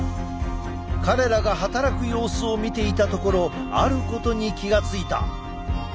彼らが働く様子を見ていたところあることに気が付いた。